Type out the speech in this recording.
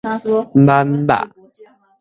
挽肉